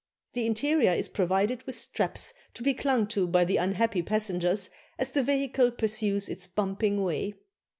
The interior is provided with straps to be clung to by the unhappy passengers as the vehicle pursues its bumping way."